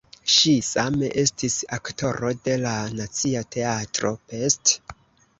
Ŝi same estis aktoro de la Nacia Teatro (Pest).